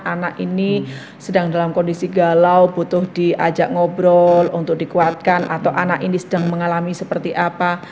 anak ini sedang dalam kondisi galau butuh diajak ngobrol untuk dikuatkan atau anak ini sedang mengalami seperti apa